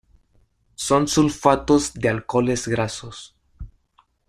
Son sulfatos de alcoholes grasos.